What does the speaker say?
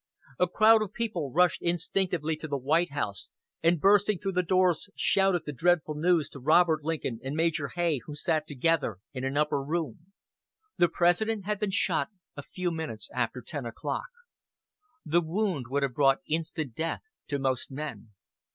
A crowd of people rushed instinctively to the White House, and bursting through the doors shouted the dreadful news to Robert Lincoln and Major Hay who sat together in an upper room. The President had been shot a few minutes after ten o'clock. The wound would have brought instant death to most men.